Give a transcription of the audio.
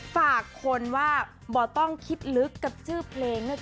ฝากคนว่าบ่อต้องคิดลึกกับชื่อเพลงนะจ